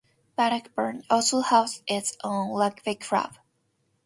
Bannockburn also hosts its own Rugby Club.